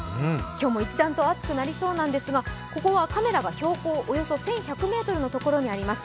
今日も一段と暑くなりそうなんですが、ここはカメラが標高およそ１１００ｍのところにあります。